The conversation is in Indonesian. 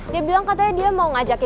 dia bilang katanya dia mau ngajakin